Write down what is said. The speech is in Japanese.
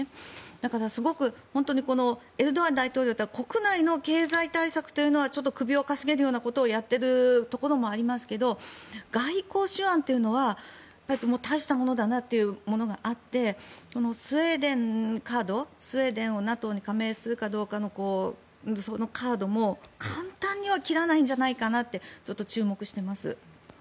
だから、すごく本当にエルドアン大統領は国内の経済対策というのはちょっと首を傾げるようなことをやっているところもありますが外交手腕というのは大したものだなというものがあってスウェーデンカードスウェーデンをＮＡＴＯに加盟させるかどうかのカードも簡単には切らないんじゃないかとちょっと注目しています。